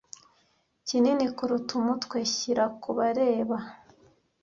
Kinini kuruta umutwe, shyira kubareba